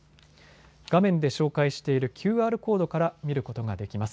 画面で紹介しているＱＲコードから見ることができます。